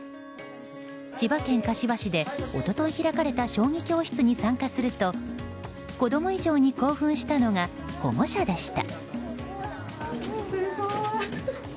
千葉県柏市で一昨日開かれた将棋教室に参加すると子供以上に興奮したのが保護者でした。